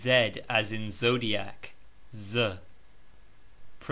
... As in zodiac ......